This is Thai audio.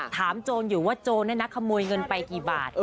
ถามโจนอยู่ว่าโจนนั่นน่ะขโมยเงินไปกี่บาท